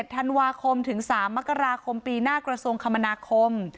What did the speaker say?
ธันวาคมถึง๓มกราคมปีหน้ากระทรวงคมนาคม